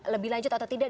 lebih lanjut atau tidak